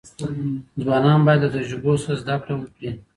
ځوانان باید له تجربو څخه زده کړه وکړي.